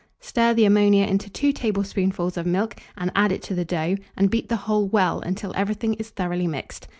Stir the ammonia into 2 tablespoonfuls of milk and add it to the dough, and beat the whole well, until everything is thoroughly mixed.